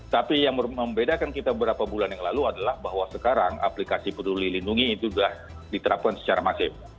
tapi yang membedakan kita beberapa bulan yang lalu adalah bahwa sekarang aplikasi peduli lindungi itu sudah diterapkan secara masif